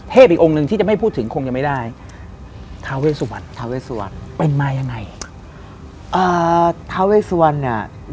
เทพอีกองค์นึงที่จะไม่พูดถึงคงจะไม่ได้ธาเวสัวนธาเวสัวนเป็นมายังไงเอ่อธาเวสัวนเนี่ย